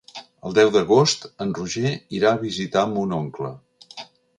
El deu d'agost en Roger irà a visitar mon oncle.